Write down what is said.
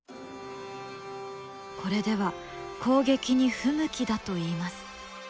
これでは攻撃に不向きだといいます。